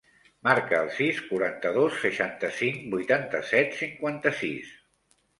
Marca el sis, quaranta-dos, seixanta-cinc, vuitanta-set, cinquanta-sis.